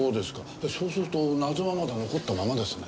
じゃあそうすると謎はまだ残ったままですね。